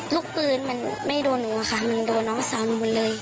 ลูกปืนมันไม่โดนหนูอะค่ะมันโดนน้องสาวหนูหมดเลย